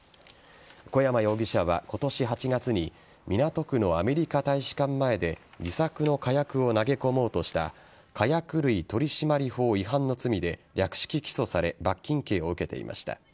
小山容疑者は今年８月に港区のアメリカ大使館前で自作の火薬を投げ込もうとした火薬類取締法違反の罪で略式起訴され罰金刑を受けていました。